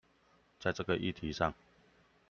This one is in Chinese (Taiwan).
在這個議題上